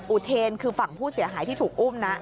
อุเทนคือฝั่งผู้เสียหายที่ถูกอุ้มนะ